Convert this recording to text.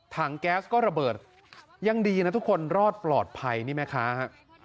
ถังแก๊สก็ระเบิดยังดีนะทุกคนรอดปลอดภัยนี่แม่ค้าฮะ